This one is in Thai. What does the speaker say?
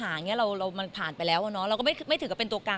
อย่างเรื่องปัญหาเรามันผ่านไปแล้วนะเราก็ไม่ถือก็เป็นตัวกลาง